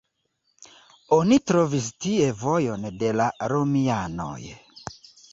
Oni trovis tie vojon de la romianoj.